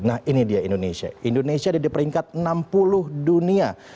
nah ini dia indonesia indonesia di peringkat enam puluh dunia